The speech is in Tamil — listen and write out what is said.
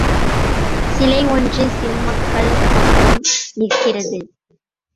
சிலை ஒன்று சிம்மக்கல் பக்கம் நிற்கிறது.